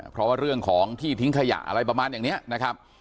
เพราะว่าเรื่องของที่ทิ้งขยะอะไรประมาณอย่างนี้นะครับ